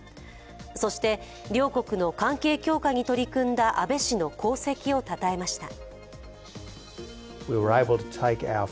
そして両国の関係強化に取り組んだ安倍氏の功績をたたえました。